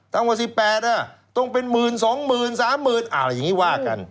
ตั้งว่า๑๘ต้องเป็นหมื่นสองหมื่นสามหมื่นอะไรอย่างนี้ว่ากัน